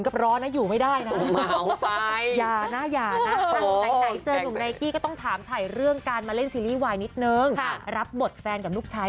พี่แหม่มแคทรียานิดคนนี้เลย